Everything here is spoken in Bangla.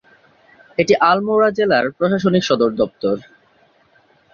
এটি আলমোড়া জেলার প্রশাসনিক সদরদপ্তর।